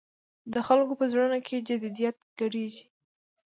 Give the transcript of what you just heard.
د خلکو په زړونو کې جدیت ګډېږي.